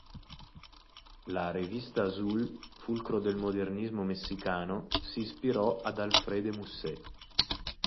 La "Revista Azul", fulcro del modernismo messicano, si ispirò ad Alfred de Musset.